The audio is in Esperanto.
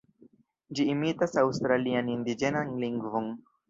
Ĝi imitas aŭstralian indiĝenan lingvon.